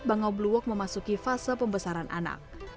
bangau blue walk memasuki fase pembesaran anak